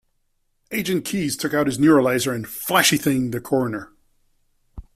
Agent Keys took out his neuralizer and flashy-thinged the coroner.